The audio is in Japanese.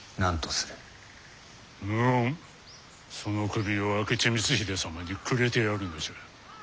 無論その首を明智光秀様にくれてやるのじゃ。